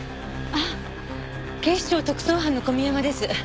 あっ警視庁特捜班の小宮山です。